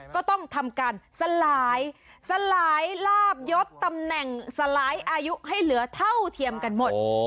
ก็ต้องทำการสลายสลายลาบยดตำแหน่งสลายอายุให้เหลือเท่าเทียมกันหมด